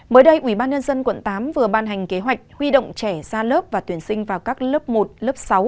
mới đây ubnd quận tám vừa ban hành kế hoạch huy động trẻ ra lớp và tuyển sinh vào các lớp một lớp sáu